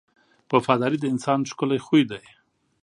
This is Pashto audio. • وفاداري د انسان ښکلی خوی دی.